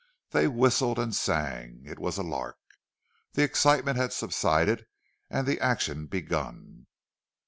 They whistled and sang. It was a lark. The excitement had subsided and the action begun.